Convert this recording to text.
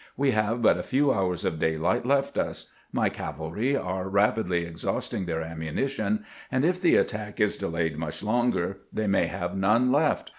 We have but a few hours of daylight left us. My cavalry are rapidly exhausting their ammunition, and if the attack is delayed much longer they may have none left."